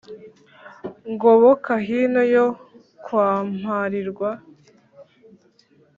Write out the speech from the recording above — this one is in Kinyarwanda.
Ngoboka hino yo kwa Mparirwa